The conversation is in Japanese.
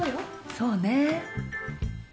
そうね。